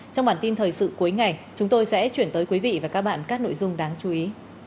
trong bản tin thời sự cuối ngày chúng tôi sẽ chuyển tới quý vị và các bạn các nội dung đáng chú ý